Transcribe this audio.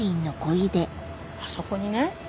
あそこにね